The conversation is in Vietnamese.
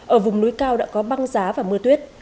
ở vùng núi cao đã có băng giá và mưa tuyết